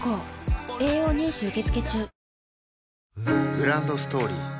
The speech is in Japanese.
グランドストーリー